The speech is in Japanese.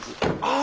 あ！